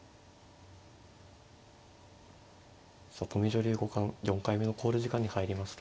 里見女流五冠４回目の考慮時間に入りました。